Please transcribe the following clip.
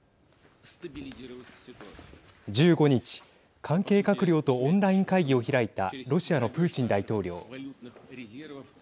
１５日、関係閣僚とオンライン会議を開いたロシアのプーチン大統領。